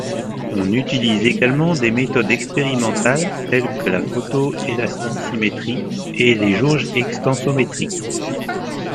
On utilise également des méthodes expérimentales telles que la photoélasticimétrie et les jauges extensométriques.